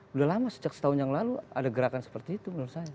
sudah lama sejak setahun yang lalu ada gerakan seperti itu menurut saya